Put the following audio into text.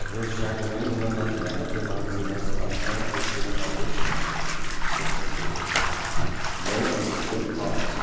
"Richard of England has never been on the best of terms with Philip Augustus," said Sir Gaeton. "No, and with good cause.